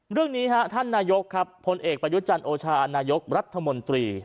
เรื่องนี้ท่านนายกครับพลเอกประยุจันทร์โอชานายกรัฐมนตรี